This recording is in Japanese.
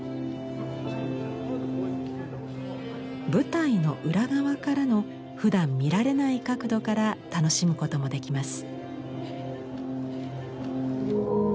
舞台の裏側からのふだん見られない角度から楽しむこともできます。